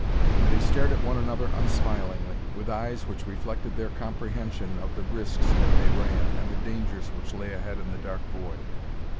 And they stared at one another unsmilingly, with eyes which reflected their comprehension of the risks that they ran and the dangers which lay ahead in the dark void.